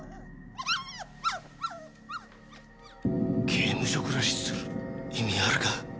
刑務所暮らしする意味あるか？